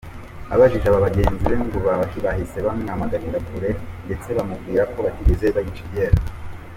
Abajije aba bagenzi be, ngo bahise bamwamaganira kure ndetse bamubwira ko batigeze bayica iryera.